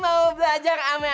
iman mau belajar apa